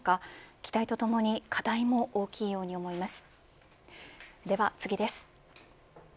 期待とともに課題も大きいように思いますでは次です。